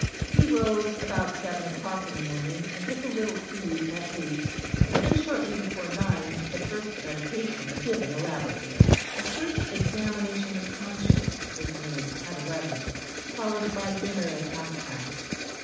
He rose about seven o'clock in the morning, and took a little food at eight; then shortly before nine the first meditation was given elaborately. The first examination of conscience was made at eleven; followed by dinner at half past.